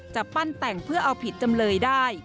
จะปั้นแต่งเพื่อเอาผิดจำเลยได้